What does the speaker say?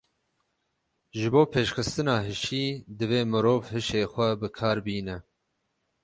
Ji bo pêşxistina hişî, divê mirov hişê xwe bi kar bîne.